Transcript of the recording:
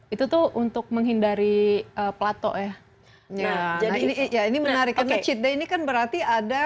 itu tuh untuk menghindari plato ya ini ya ini menarik karena cheed day ini kan berarti ada